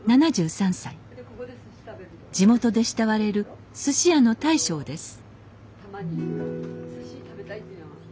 地元で慕われるすし屋の大将です